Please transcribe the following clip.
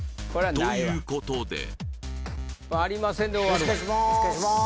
ということでよろしくお願いします